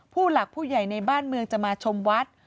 ผู้หลักผู้ใหญ่ในบ้านเมืองจะมาชมวัด